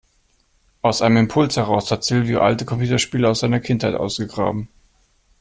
Aus einem Impuls heraus hat Silvio alte Computerspiele aus seiner Kindheit ausgegraben.